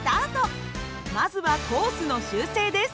まずはコースの修正です。